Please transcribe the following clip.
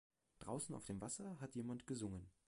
Draußen auf dem Wasser hat jemand gesungen.